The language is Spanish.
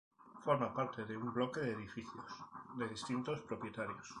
Forma parte de un bloque de edificios de distintos propietarios.